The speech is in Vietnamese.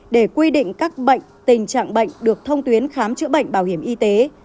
để quy định các bệnh tình trạng bệnh được thông tuyến khám chữa bệnh bảo hiểm y tế